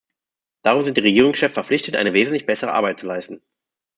Darum sind die Regierungschefs verpflichtet, eine wesentlich bessere Arbeit zu leisten.